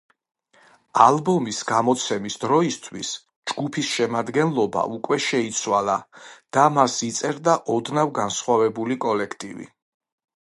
ალბომის გამოცემის დროისთვის ჯგუფის შემადგენლობა უკვე შეიცვალა და მას იწერდა ოდნავ განსხვავებული კოლექტივი.